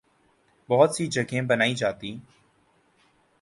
بہت سی جگہیں بنائی جاتی